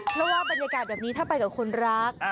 เพราะว่าบรรยากาศแบบนี้ถ้าไปกับคนรัก